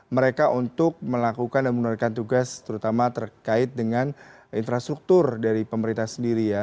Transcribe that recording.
mereka untuk melakukan dan menurunkan tugas terutama terkait dengan infrastruktur dari pemerintah sendiri ya